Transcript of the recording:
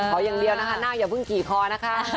อย่างเดียวนะคะหน้าอย่าเพิ่งกี่คอนะคะ